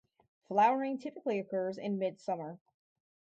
Flowering typically occurs in mid-summer.